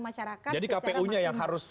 masyarakat jadi kpu nya yang harus